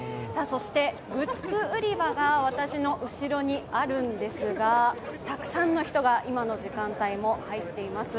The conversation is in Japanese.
グッズ売り場が私の後ろにあるんですが、たくさんの人が今の時間帯も入っています。